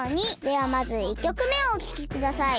ではまず１きょくめをおききください。